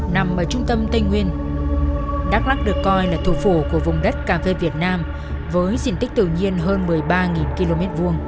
nằm ở trung tâm tây nguyên đắk lắc được coi là thủ phủ của vùng đất cà phê việt nam với diện tích tự nhiên hơn một mươi ba km hai